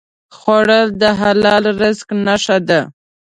خوړل د حلال رزق نښه ده